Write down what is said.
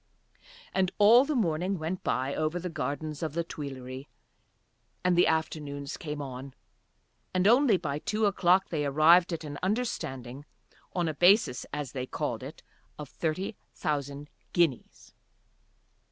And all the morning went by over the gardens of the Tuileries and the afternoons came on, and only by two o'clock they arrived at an understanding, on a basis, as they called it, of thirty thousand guineas.